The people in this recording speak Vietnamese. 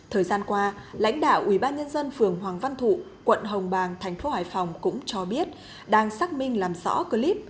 thời gian qua lãnh đạo ubnd phường hoàng văn thụ quận hồng bàng thành phố hải phòng cũng cho biết đang xác minh làm rõ clip